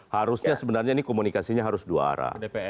harusnya sebenarnya ini komunikasinya harus dua arah